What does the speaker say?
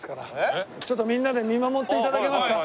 みんなで見守って頂けますか？